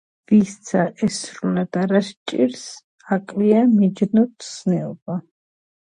პროფესიული და უმაღლესი განათლების მიღების ერთადერთი გზაა სასწავლებლად კონტინენტზე წასვლა.